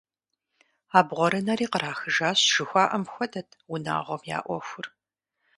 «Абгъуэрынэри кърахыжащ» жыхуаӀэм хуэдэт унагъуэм я Ӏуэхур.